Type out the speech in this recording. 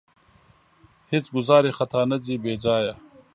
هېڅ ګوزار یې خطا نه ځي بې ځایه.